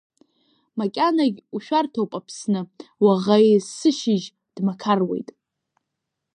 Макьанагь ушәарҭоуп, Аԥсны, Уаӷа есышьыжь дмақаруеит.